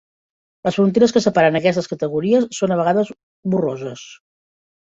Les fronteres que separen aquestes categories són a vegades borroses.